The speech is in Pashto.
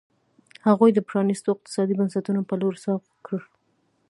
هغوی د پرانیستو اقتصادي بنسټونو په لور سوق کړ.